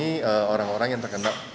keadaan yang lemah